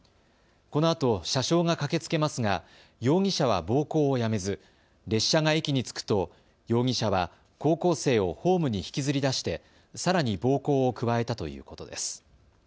このあと車掌が駆けつけますが容疑者は暴行をやめず列車が駅に着くと容疑者は高校生をホームに引きずり出してさらに暴行を加えたということです。